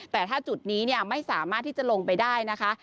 แต่ถ้าจุดนี้ไม่สามารถที่จะลงไปได้นะคะ